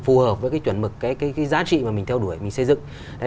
phù hợp với cái chuẩn mực cái giá trị mà mình theo đuổi mình xây dựng